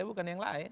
bukan yang lain